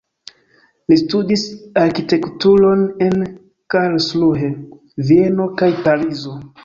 Li studis arkitekturon en Karlsruhe, Vieno kaj Parizo.